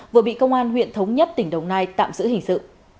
vừa bị công an huyện thống nhất tỉnh đồng nai tạm giữ hình sự